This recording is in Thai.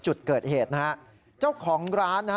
จุดเกิดเหตุนะครับเจ้าของร้าน